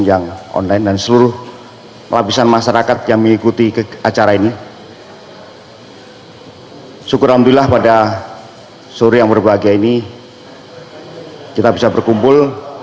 syukutilah pada sore yang berbahagia ini kita bisa berkumpul